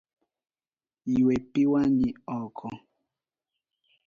Ywe pi wang'i oko.